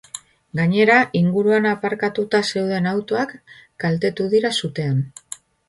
Gainera, inguruan aparkatuta zeuden autoak kaltetu dira sutean.